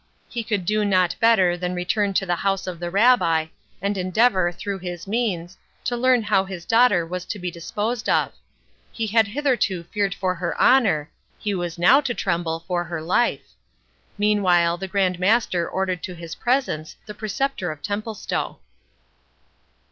He could do not better than return to the house of the Rabbi, and endeavour, through his means, to learn how his daughter was to be disposed of. He had hitherto feared for her honour, he was now to tremble for her life. Meanwhile, the Grand Master ordered to his presence the Preceptor of Templestowe.